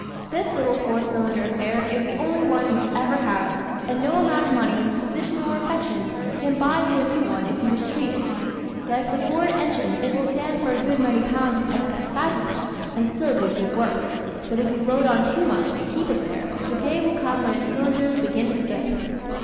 This little four cylinder affair is the only one you will ever have and no amount of money, position or affection can buy you a new one if you mistreat it. Like the Ford engine, it will stand for a good many pounds of excess baggage and still do good work. But if you load on too much and keep it there the day will come when its cylinders begin to skip.